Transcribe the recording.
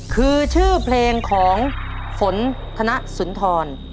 คือชื่อเพลงของฝนธนสุนทร